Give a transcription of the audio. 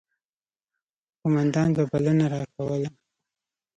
قوماندان به بلنه راکوله.